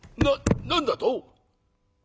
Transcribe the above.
「な何だと？